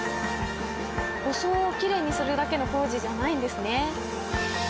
装をきれいにするだけの工事じゃないんですね。